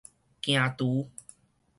行櫥